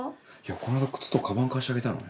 この間靴とカバン貸してあげたのね。